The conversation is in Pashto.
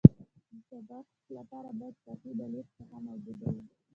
د سبقت لپاره باید کافي د لید ساحه موجوده وي